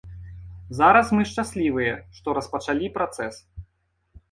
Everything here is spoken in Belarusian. Зараз мы шчаслівыя, што распачалі працэс.